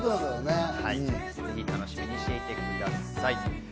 ぜひ楽しみにしていてください。